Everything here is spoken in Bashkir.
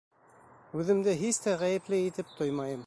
Үҙемде һис тә ғәйепле итеп тоймайым.